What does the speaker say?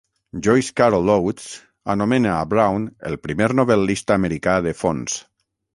Joyce Carol Oates anomena a Brown "el primer novel·lista americà de fons".